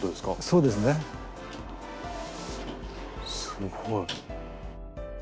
すごい。